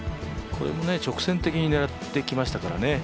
これも直線的に狙ってきましたからね。